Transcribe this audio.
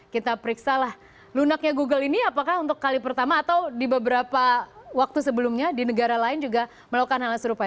kita periksalah lunaknya google ini apakah untuk kali pertama atau di beberapa waktu sebelumnya di negara lain juga melakukan hal yang serupa